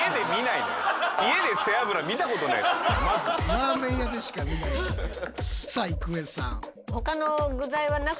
ラーメン屋でしか見ないですけど。